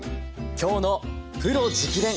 今日の「プロ直伝！」